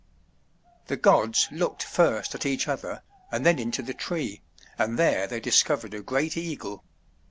The gods looked first at each other and then into the tree, and there they discovered a great eagle.